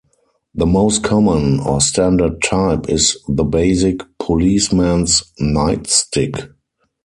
The most common, or standard type is the basic "policeman's nightstick".